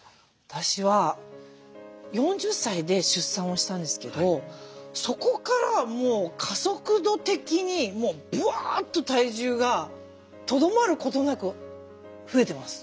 私は４０歳で出産をしたんですけどそこからもう加速度的にブワーッと体重がとどまることなく増えてます。